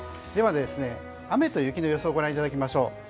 では、雨と雪の予想をご覧いただきましょう。